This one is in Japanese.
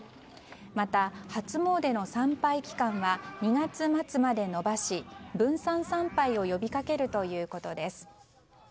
また、初詣の参拝期間は２月末まで延ばし分散参拝を呼びかけるということです。